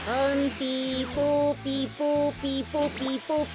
ピポピポピポピポペ。